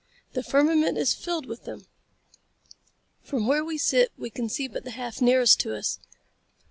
The firmament is filled with them. From where we sit we can see but the half nearest to us.